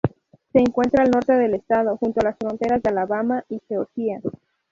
Se encuentra al norte del estado, junto a las fronteras de Alabama y Georgia.